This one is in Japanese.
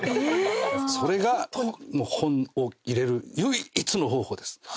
それがもう本を入れる唯一の方法です。